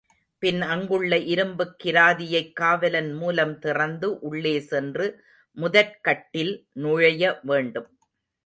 பின் அங்குள்ள இரும்புக் கிராதியைக் காவலன் மூலம் திறந்து உள்ளே சென்று முதற் கட்டில் நுழைய வேண்டும்.